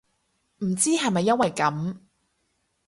唔知係咪因為噉